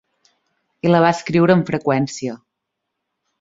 I la va escriure amb freqüència.